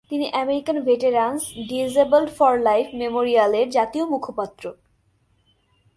তিনি American veterans disabled for life মেমোরিয়ালের জাতীয় মুখপাত্র।